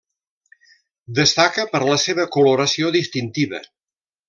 Destaca per la seva coloració distintiva.